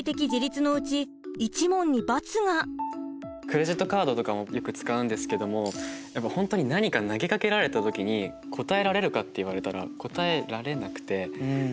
クレジットカードとかもよく使うんですけども本当に何か投げかけられた時に答えられるかって言われたら答えられなくて。